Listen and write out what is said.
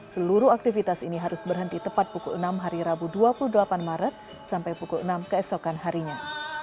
seluruh aktivitas ini harus berhenti tepat pukul enam hari rabu dua puluh delapan maret sampai pukul enam keesokan harinya